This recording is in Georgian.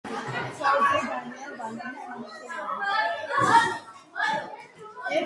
ამათგან უმთავრესი საცავი და სამეცნიერო-კვლევითი დაწესებულებაა ხელნაწერთა ეროვნული ცენტრი.